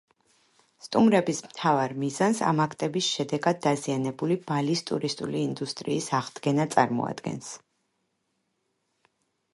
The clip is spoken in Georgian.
სტუმრების მთავარ მიზანს ამ აქტების შედეგად დაზიანებული ბალის ტურისტული ინდუსტრიის აღდგენა წარმოადგენს.